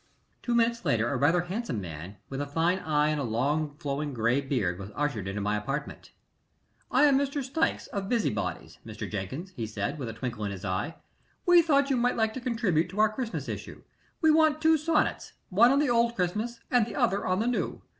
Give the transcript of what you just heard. Two minutes later a rather handsome man, with a fine eye and a long, flowing gray beard, was ushered into my apartment. "I am Mr. Stikes, of Busybody's, Mr. Jenkins," he said, with a twinkle in his eye. "We thought you might like to contribute to our Christmas issue. We want two sonnets, one on the old Christmas and the other on the new.